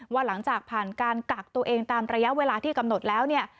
ว่าหลังจากผ่านการกักตัวเองตามระยะเวลาที่กำหนดแล้วเนี่ย